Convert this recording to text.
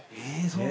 ［そう。